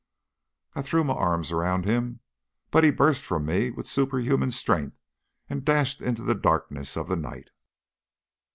I threw my arms around him, but he burst from me with superhuman strength, and dashed into the darkness of the night.